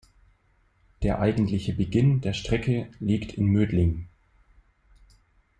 Der eigentliche Beginn der Strecke liegt in Mödling.